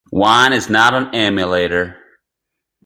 Wine is not an emulator.